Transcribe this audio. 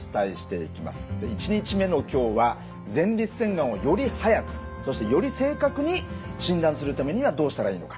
１日目の今日は前立腺がんをより早くそしてより正確に診断するためにはどうしたらいいのか。